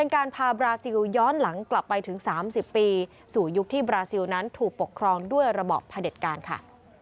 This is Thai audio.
การพาบราซิลย้อนหลังกลับไปถึง๓๐ปีสู่ยุคที่บราซิลนั้นถูกปกครองด้วยระบอบพระเด็จการค่ะ